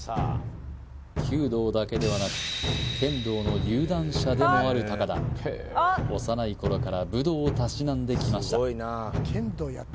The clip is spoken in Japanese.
弓道だけではなく剣道の有段者でもある高田幼いころから武道をたしなんできました